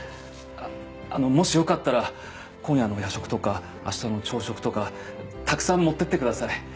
あのもしよかったら今夜の夜食とか明日の朝食とかたくさん持っていってください。